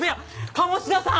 鴨志田さん！